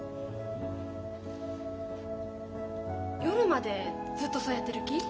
夜までずっとそうやってる気？